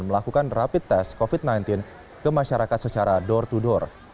melakukan rapid test covid sembilan belas ke masyarakat secara door to door